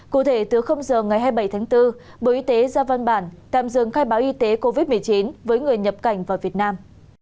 cụ thể từ giờ ngày hai mươi bảy tháng bốn bộ y tế ra văn bản tạm dừng khai báo y tế covid một mươi chín với người nhập cảnh vào việt nam